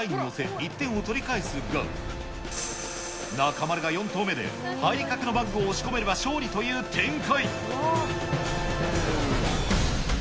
１点を取り返すが、中丸が４投目で入りかけのバッグを押し込めれば勝利という展開。